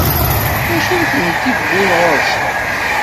D acu i tent-iwwin ɣur-sent?